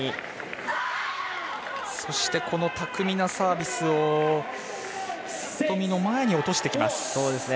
そして、巧みなサービスを里見の前に落としてきます。